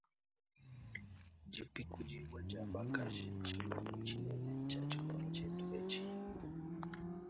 Dipikudibua dia bakaji ntshilumbu tshinene tshia tshikondo tshietu etshi.